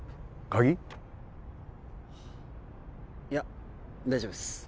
いや大丈夫です